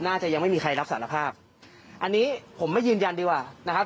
ยังไม่มีใครรับสารภาพอันนี้ผมไม่ยืนยันดีกว่านะครับ